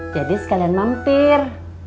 jadi sekalian mampir